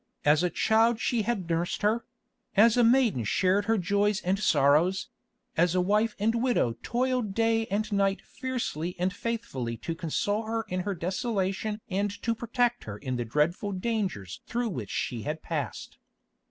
As a child she had nursed her; as a maiden shared her joys and sorrows; as a wife and widow toiled day and night fiercely and faithfully to console her in her desolation and to protect her in the dreadful dangers through which she had passed.